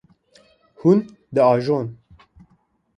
Hûn diajon.